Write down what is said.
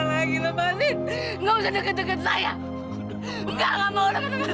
sampai jumpa di video selanjutnya